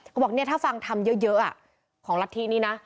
ก็บอกถ้าฟังธรรมเยอะของลัทธินี้นะ